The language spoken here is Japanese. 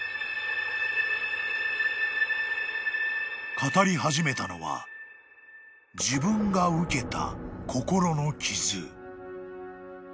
［語り始めたのは自分が受けた］